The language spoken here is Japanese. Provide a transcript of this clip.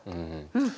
うん。